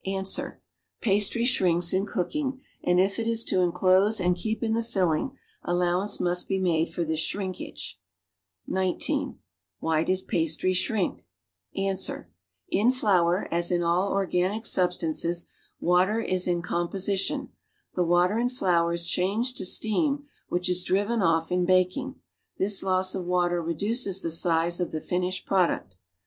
Ans. Past ry shrinks in cooking and if it is to enclose and keep in the filling, allowance magic cover. (See Question No. 14) must be made for this shrinkage. (19) Why does pastry shrink.^ Ans. In flour, as in all organic substances, water is in composi tion ; the water in flour is changed to steam which is dri\'en off in baking; this loss of water reduces the size of the finished product.